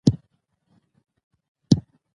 د افغانستان جغرافیه کې تنوع ستر اهمیت لري.